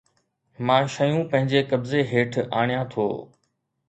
مان شيون پنهنجي قبضي هيٺ آڻيان ٿو